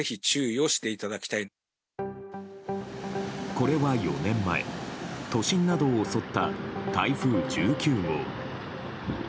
これは４年前都心などを襲った台風１９号。